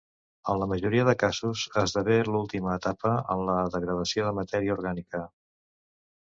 En la majoria de casos, esdevé l'última etapa en la degradació de matèria orgànica.